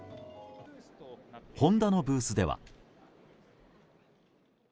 ホンダのブースでは。